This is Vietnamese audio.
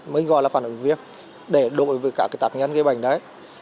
mới gọi là phản ứng viêm để đổi với các tạp nhân gây bệnh đấy